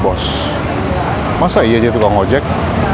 bos masa iya jadi tukang ojek